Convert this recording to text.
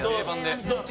どっち？